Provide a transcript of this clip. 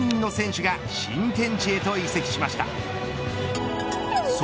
各球団から１２人の選手が新天地へと移籍しました。